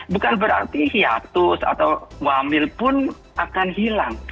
bukan berarti hiatus atau wamil pun akan hilang